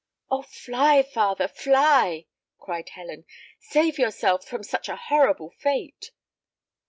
"Oh fly, father, fly!" cried Helen. "Save yourself from such a horrible fate!"